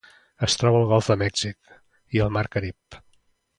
Es troba al golf de Mèxic i el mar Carib.